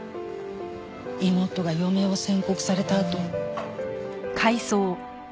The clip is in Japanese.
妹が余命を宣告されたあと。